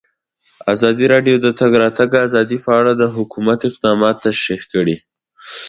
ازادي راډیو د د تګ راتګ ازادي په اړه د حکومت اقدامات تشریح کړي.